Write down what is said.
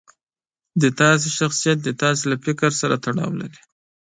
ستاسو شخصیت ستاسو له فکر سره تړاو لري.